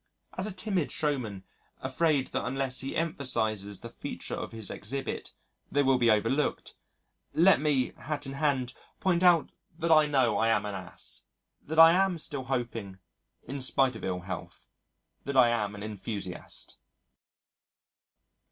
As a timid showman afraid that unless he emphasises the feature of his exhibit, they will be overlooked, let me, hat in hand, point out that I know I am an ass, that I am still hoping (in spite of ill health) that I am an enthusiast.